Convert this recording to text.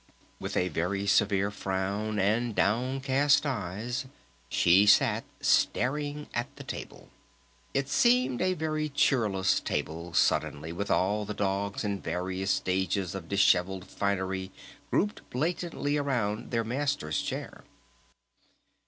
With a very severe frown and downcast eyes she sat staring at the table. It seemed a very cheerless table suddenly, with all the dogs in various stages of disheveled finery grouped blatantly around their Master's chair.